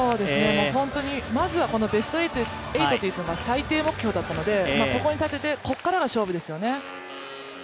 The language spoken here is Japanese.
まずはベスト８というのが最低目標だったので、ここに立てて、ここからの勝負ですよね。